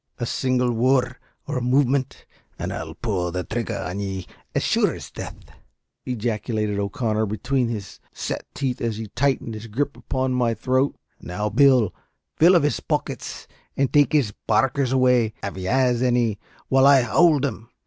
"A single worrud or a movement, and I'll pull the thrigger on ye, as sure as death!" ejaculated O'Connor, between his set teeth, as he tightened his grip upon my throat. "Now, Bill, feel ov his pockets and take his barkers away, av he has anny, while I hould him.